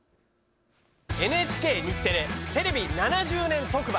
「ＮＨＫ×日テレＴＶ７０年特番」。